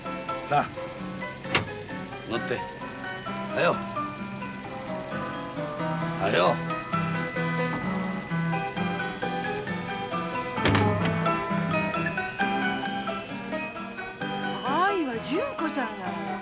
あいは純子ちゃんやらよ。